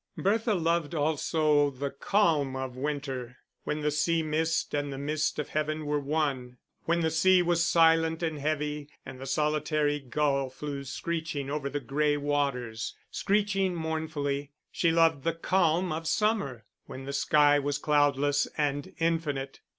Bertha loved also the calm of winter, when the sea mist and the mist of heaven were one; when the sea was silent and heavy, and the solitary gull flew screeching over the gray waters, screeching mournfully. She loved the calm of summer when the sky was cloudless and infinite.